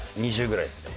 ２０ぐらいですね。